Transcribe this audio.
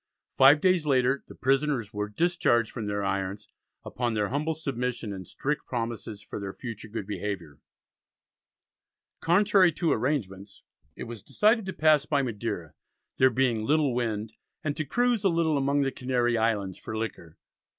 Five days later the prisoners were "discharged from their irons," upon their humble submission and strict promises for their future good behaviour. Contrary to arrangements it was decided to pass by Madeira, there being "little wind," and to "cruise a little among the Canary Islands for liquor."